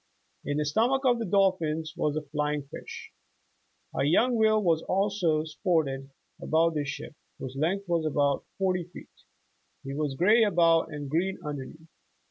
In the stomach of the dolphin was a flying fish. A young whale also sported about the ship, whose length was about forty feet. He was gray above and green underneath.